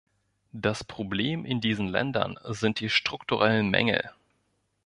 Das Problem in diesen Ländern sind die strukturellen Mängel.